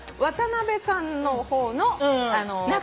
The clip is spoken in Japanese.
渡辺さんの方の。